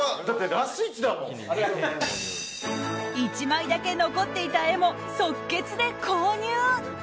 １枚だけ残っていた絵も即決で購入。